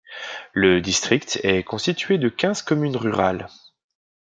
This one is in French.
Le district est constituée de quinze communes rurales.